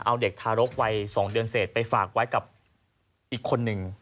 เอาเด็กทารกวัย๒เดือนเสร็จไปฝากไว้กับอีกคนนึง